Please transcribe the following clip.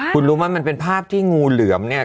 คุณรู้ไหมมันเป็นภาพที่งูเหลือมเนี่ย